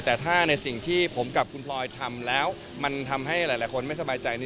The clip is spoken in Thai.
แต่ถ้าในสิ่งที่ผมกับคุณพลอยทำแล้วมันทำให้หลายคนไม่สบายใจ